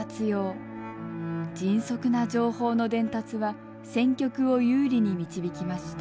迅速な情報の伝達は戦局を有利に導きました。